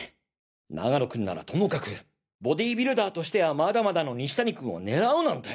永野君ならともかくボディビルダーとしてはまだまだの西谷君を狙うなんて。